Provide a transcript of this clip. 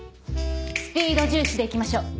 スピード重視で行きましょう。